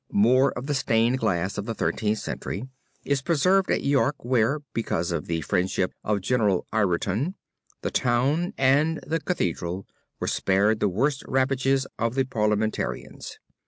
More of the stained glass of the Thirteenth Century is preserved at York where, because of the friendship of General Ireton, the town and the Cathedral were spared the worst ravages of the Parliamentarians.